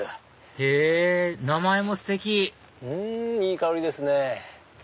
いい香りですね。